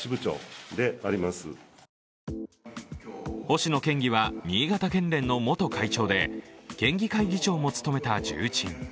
星野県議は、新潟県連の元会長で県議会議長も務めた重鎮。